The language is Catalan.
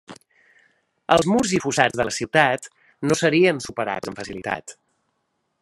Els murs i fossats de la ciutat no serien superats amb facilitat.